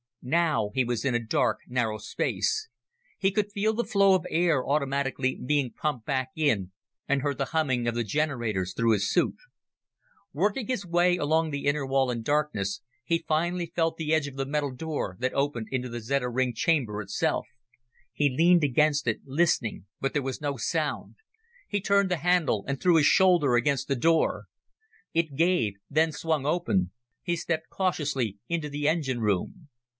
Now he was in a dark, narrow space. He could feel the flow of air automatically being pumped back in and heard the humming of the generators through his suit. Working his way along the inner wall in darkness, he finally felt the edge of the metal door that opened into the Zeta ring chamber itself. He leaned against it, listening, but there was no sound. He turned the handle and threw his shoulder against the door. It gave, then swung open. He stepped cautiously into the engine room.